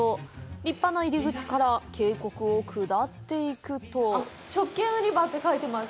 立派な入り口から渓谷を下っていくと食券売り場って書いてます。